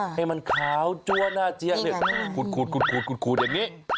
ให้มันขาวจัวหน้าเจี๊ยงเนี่ยขูดอย่างนี้